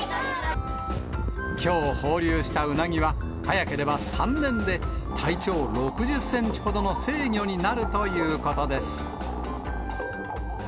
きょう放流したウナギは、早ければ３年で体長６０センチほどの成魚になるということです。